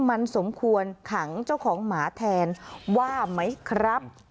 มันสมควรขังเจ้าของหมาแทนว่าไหมครับ